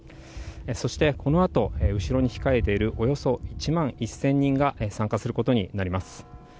そして、このあと、後ろに控えているおよそ１万１０００人が参加することになります。